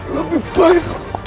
lebih baik aku